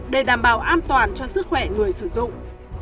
để đảm bảo an toàn cho sức khỏe người sử dụng